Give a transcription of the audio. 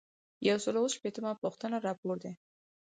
یو سل او اووه شپیتمه پوښتنه راپور دی.